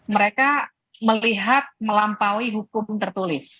mereka melihat melampaui hukum tertulis